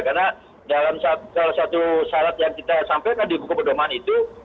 karena dalam salah satu syarat yang kita sampaikan di buku perdomaan itu